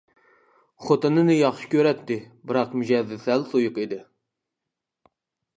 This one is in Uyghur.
خوتۇنىنى ياخشى كۆرەتتى. بىراق مىجەزى سەل سۇيۇق ئىدى.